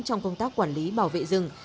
trong công tác quản lý bảo vệ rừng